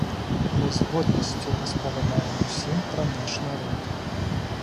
Мы з годнасцю распавядаем усім пра наш народ!